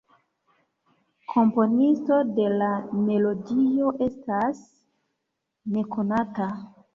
Komponisto de la melodio estas nekonata.